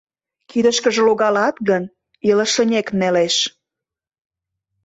Кидышкыже логалат гын, илышынек нелеш...